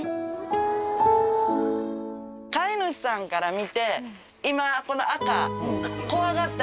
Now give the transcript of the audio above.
飼い主さんから見て今この赤。